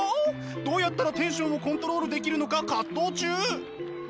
どうやったらテンションをコントロールできるのか葛藤中。